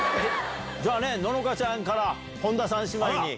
じゃあ乃々佳ちゃんから本田三姉妹に。